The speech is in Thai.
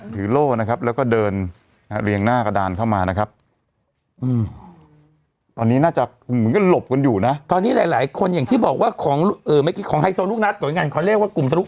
ถือโลกนะครับแล้วก็เดินเรียงหน้ากระดานเข้ามานะครับตอนนี้น่าจะหลบกันอยู่นะตอนนี้หลายคนอย่างที่บอกว่าของของไฮโซลูกนัดตัวอย่างนั้นขอเรียกว่ากลุ่มสรุป